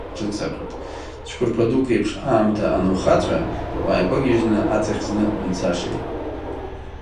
Цәқәырԥа дук еиԥш аамҭа анухыҵәа, уааикәагьежьны аҵахь зны умцашеи.